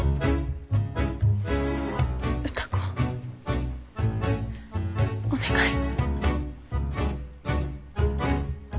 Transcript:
歌子お願い。